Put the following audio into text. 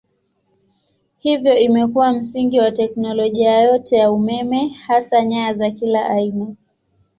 Hivyo imekuwa msingi wa teknolojia yote ya umeme hasa nyaya za kila aina.